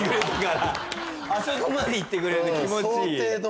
あそこまで言ってくれると気持ちいい。